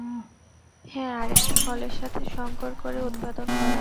হ্যাঁ, আরেকটা ফলের সাথে সংকর করে উৎপাদন করা হয়।